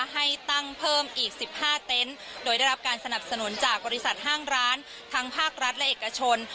ให้ตั้งเพิ่มอีก๑๕เต็นต์โดยได้รับการสนับสนุนจากบริษัทห้างร้านทั้งภาครัฐและเอกชน